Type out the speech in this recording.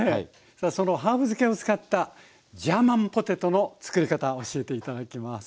そのハーブ漬けを使ったジャーマンポテトの作り方教えて頂きます。